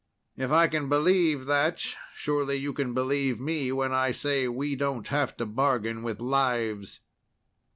If I can believe that, surely you can believe me when I say we don't have to bargain with lives."